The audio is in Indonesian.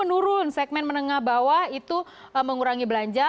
menurun segmen menengah bawah itu mengurangi belanja